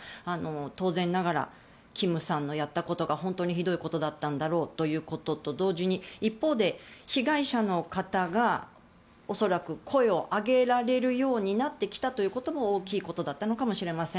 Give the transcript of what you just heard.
当然ながらキムさんのやったことが本当にひどいことだったんだろうということと同時に一方で被害者の方が恐らく声を上げられるようになってきたということも大きいことだったかもしれません。